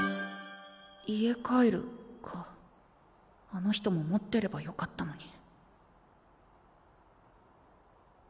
あの人も持ってればよかったのに。